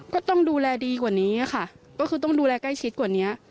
ก็ต้องดูแลดีกว่านี้ค่ะก็คือต้องดูแลใกล้ชิดกว่านี้